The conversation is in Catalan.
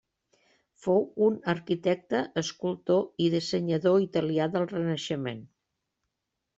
Fou un arquitecte, escultor i dissenyador italià del renaixement.